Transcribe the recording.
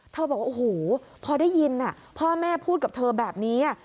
บอกว่าโอ้โหพอได้ยินพ่อแม่พูดกับเธอแบบนี้